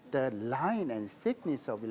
bahkan laporan dan kelembapan